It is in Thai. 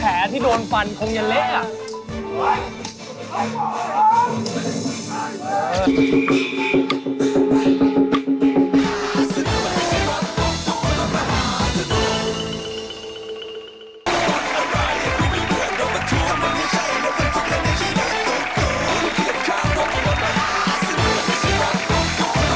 แผลที่โดนฟันคงยังเล่น